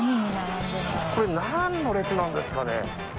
これなんの列なんですかね？